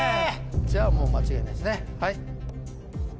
じゃあもう間違いないですね。